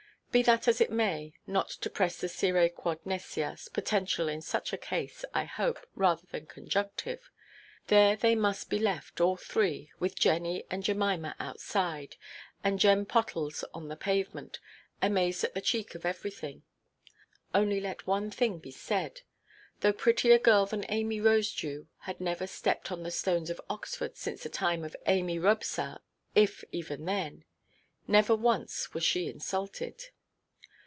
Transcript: Be that as it may,—not to press the scire quod nescias (potential in such a case, I hope, rather than conjunctive)—there they must be left, all three, with Jenny and Jemima outside, and Jem Pottles on the pavement, amazed at the cheek of everything. Only let one thing be said. Though prettier girl than Amy Rosedew had never stepped on the stones of Oxford since the time of Amy Robsart, if even then,—never once, was she insulted.